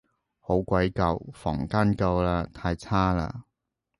好鬼舊，房門舊嘞，太差嘞